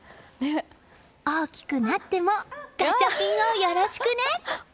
大きくなってもガチャピンをよろしくね！